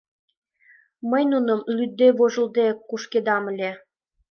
Мый нуным лӱдде-вожылде кушкедам ыле...